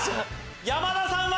山田さんは？